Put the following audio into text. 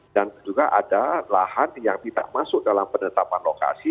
dan juga ada lahan yang tidak masuk dalam penetapan lokasi